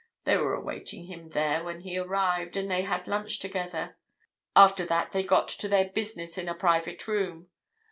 They were awaiting him there when he arrived, and they had lunch together. After that, they got to their business in a private room.